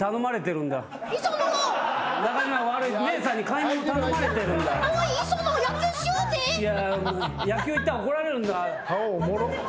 いや野球行ったら怒られるんだ。